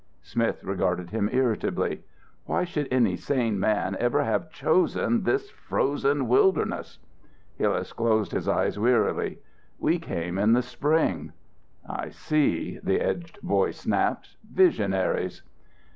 '" Smith regarded him irritably. "Why should any sane man ever have chosen this frozen wilderness?" Hillas closed his eyes wearily. "We came in the spring." "I see!" The edged voice snapped, "Visionaries!"